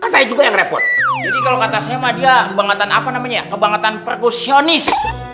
saya juga yang repot kalau kata saya mah dia bangetan apa namanya kebangetan perkusyonis